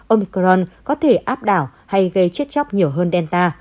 omicron có thể áp đảo hay gây chết chóc nhiều hơn delta